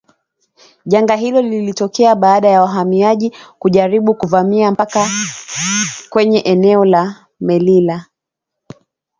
janga hilo lilitokea baada ya wahamiaji kujaribu kuvamia mpaka kwenye eneo la Melilla